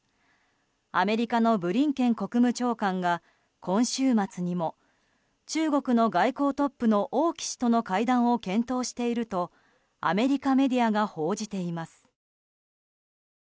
アメリカのブリンケン国務長官が今週末にも中国の外交トップの王毅氏との会談を検討しているとアメリカメディアが報じています。